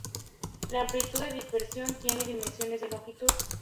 La amplitud de dispersión tiene dimensiones de longitud.